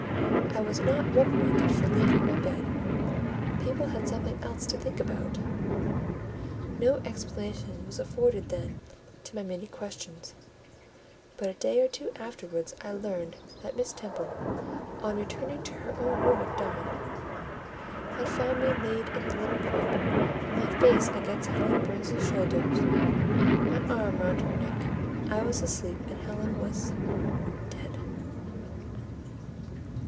I was not reprimanded for leaving my bed; people had something else to think about; no explanation was afforded then to my many questions; but a day or two afterwards I learned that Miss Temple, on returning to her own room at dawn, had found me laid in the little crib; my face against Helen Burns's shoulder, my arms round her neck. I was asleep, and Helen was—dead.